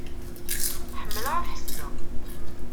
Ḥemmleɣ ad ḥesbeɣ.